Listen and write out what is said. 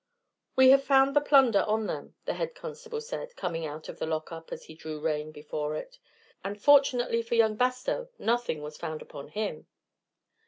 "We have found the plunder on them," the head constable said, coming out of the lockup as he drew rein before it, "and, fortunately for young Bastow, nothing was found upon him."